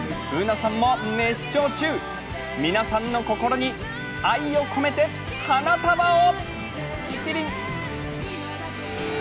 Ｂｏｏｎａさんも熱唱中、皆さんの心に愛を込めて花束を。